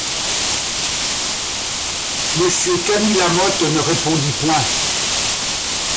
Monsieur Camy-Lamotte ne répondit point.